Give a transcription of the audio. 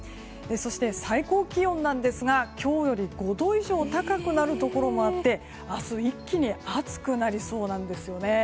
そして、最高気温なんですが今日より５度以上高くなるところもあって明日、一気に暑くなりそうなんですよね。